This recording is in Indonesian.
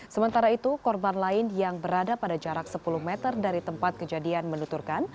sementara itu korban lain yang berada pada jarak sepuluh meter dari tempat kejadian menuturkan